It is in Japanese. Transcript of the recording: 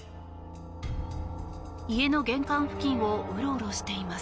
家の玄関付近をうろうろしています。